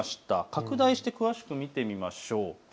拡大して詳しく見ましょう。